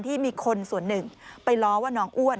ที่มีคนส่วนหนึ่งไปล้อว่าน้องอ้วน